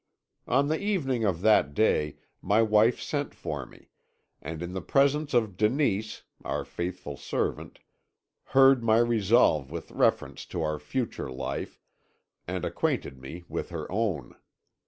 "On the evening of that day my wife sent for me, and in the presence of Denise, our faithful servant, heard my resolve with reference to our future life, and acquainted me with her own.